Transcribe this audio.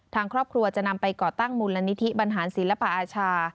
ทางครอบครัวจะนำไปก่อตั้งมูลนิธิบรรหารศิลปอาชา